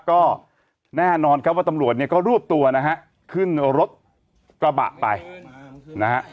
ก็แน่นอนครับว่าตำรวจเนี่ยก็รวบตัวนะฮะขึ้นรถกระบะไปนะฮะ